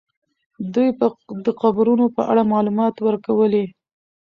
دوی به د قبرونو په اړه معلومات ورکولې.